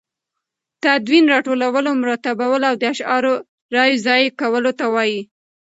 تدوین راټولو، مرتبولو او د اشعارو رايو ځاى کولو ته وايي.